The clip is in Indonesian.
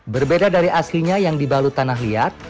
berbeda dari aslinya yang dibalut tanah liat